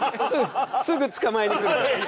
すぐ捕まえに来る。